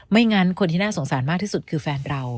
งั้นคนที่น่าสงสารมากที่สุดคือแฟนเรา